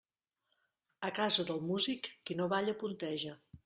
A casa del músic, qui no balla, punteja.